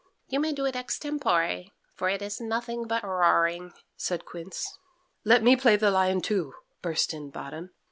"You may do it extempore, for it is nothing but roaring," said Quince. "Let me play the lion, too," burst in Bottom.